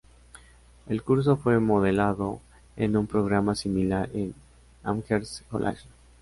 El curso fue modelado en un programa similar en Amherst College.